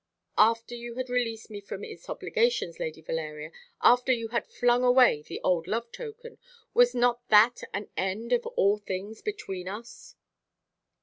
"After you had released me from its obligations, Lady Valeria, after you had flung away the old love token. Was not that an end of all things between us?"